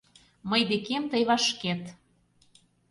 Мый декем тый вашкет